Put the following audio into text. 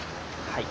はい。